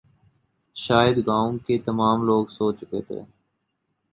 شاید گاؤں کے تمام لوگ سو چکے تھے